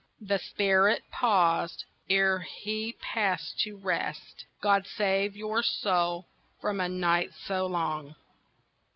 The spirit paused ere he passed to rest— "God save your soul from a night so long."